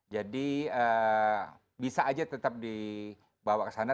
jadi bisa aja tetap dibawa ke sasaran